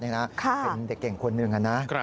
เป็นเด็กเก่งคนหนึ่งนะ